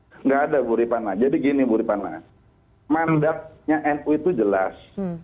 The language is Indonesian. tidak ada bu ripana jadi gini bu ripana mandatnya nu itu jelas